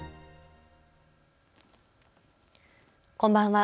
こんばんは。